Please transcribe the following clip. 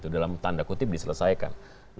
dalam tanda kutip diselesaikan